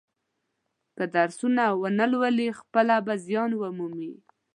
که درسونه و نه لولي خپله به زیان و مومي.